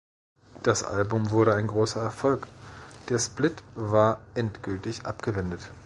Das Album wurde ein großer Erfolg, der Split war endgültig abgewendet.